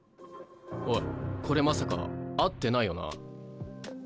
おいこれまさか合ってないよな？